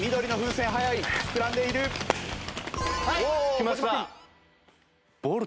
きました。